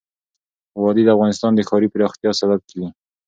وادي د افغانستان د ښاري پراختیا سبب کېږي.